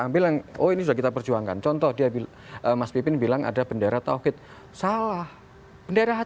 ambil yang oh ini sudah kita perjuangkan contoh dia mas pipin bilang ada bendera tauhid salah bendera